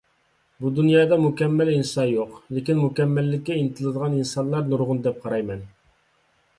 بۇ دۇنيادا مۇكەممەل ئىنسان يوق، لېكىن مۇكەممەللىككە ئىنتىلىدىغان ئىنسانلار نۇرغۇن دەپ قارايمەن.